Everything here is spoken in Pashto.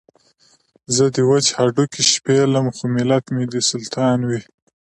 زه دې وچ هډوکي شپېلم خو ملت مې دې سلطان وي.